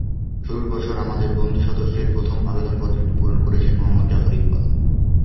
শুরুর বছর আমাদের বন্ধু সদস্যের প্রথম আবেদনপত্রটি পূরণ করেছেন মুহম্মদ জাফর ইকবাল।